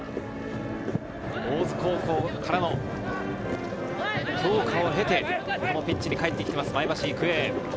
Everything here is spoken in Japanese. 大津高校からの強化を経て、このピッチに帰ってきています、前橋育英。